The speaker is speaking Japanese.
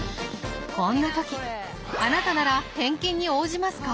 こんな時あなたなら返金に応じますか？